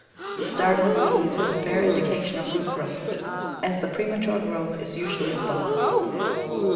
The starting of leaves is a fair indication of root growth, as the premature growth is usually of buds.